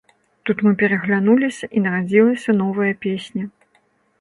Тут мы пераглянуліся і нарадзілася новая песня.